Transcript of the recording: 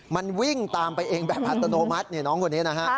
มันวิ่งตามไปเองแบบอัตโนมัติน้องคนนี้นะฮะ